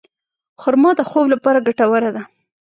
خرما د خوب لپاره ګټوره ده.